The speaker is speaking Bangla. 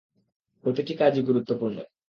প্রতিটা কাজই গুরুত্বপূর্ণ।